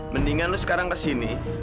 mendingan lu sekarang kesini